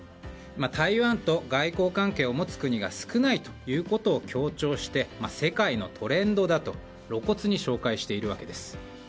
台湾と外交関係を持つ国が少ないということを強調して世界のトレンドだと露骨に紹介しているわけです。